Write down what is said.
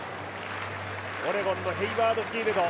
オレゴンのヘイワード・フィールド